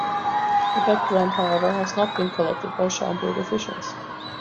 The back rent, however, has not been collected by Schaumburg officials.